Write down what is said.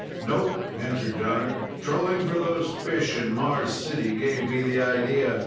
"Nope," answered Jonner. "Trolling for those fish in Mars City gave me the idea.